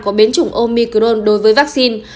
của biến chủng omicron đối với vaccine